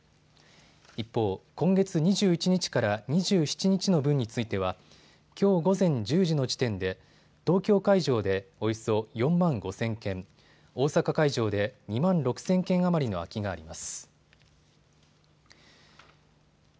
一方、今月２１日から２７日の分についてはきょう午前１０時の時点で東京会場でおよそ４万５０００件、大阪会場で２万６０００件余りの空きがあります。